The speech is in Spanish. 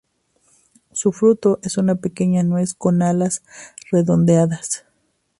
Su fruto es una pequeña nuez con alas redondeadas.